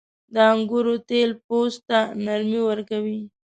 • د انګورو تېل پوست ته نرمي ورکوي.